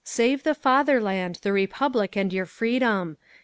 Save the fatherland, the republic and your freedom.